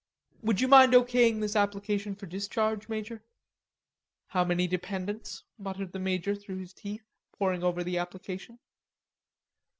"Would you mind O.K. ing this application for discharge, Major?" "How many dependents?" muttered the major through his teeth, poring over the application.